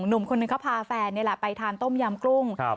หนุ่มคนหนึ่งเขาพาแฟนนี่แหละไปทานต้มยำกุ้ง